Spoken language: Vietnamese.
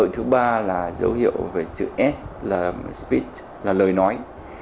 thứ ba là dấu hiệu về chữ s là spe là lời nói